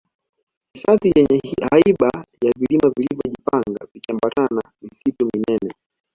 hifadhi yenye haiba ya vilima vilivyo jipanga vikiambatana na misitu minene